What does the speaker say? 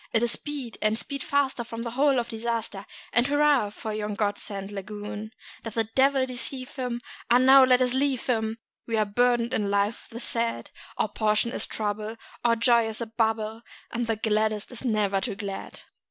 It is "Speed, and speed faster from this hole of disaster! And hurrah for yon God sent lagoon!" Doth a devil deceive them? Ah, now let us leave them We are burdened in life with the sad; Our portion is trouble, our joy is a bubble, And the gladdest is never too glad.